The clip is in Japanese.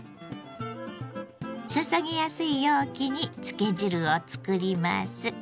注ぎやすい容器に漬け汁をつくります。